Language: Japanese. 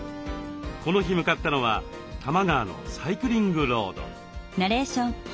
この日向かったのは多摩川のサイクリングロード。